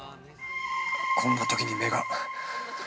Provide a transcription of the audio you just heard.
こんなときに目が。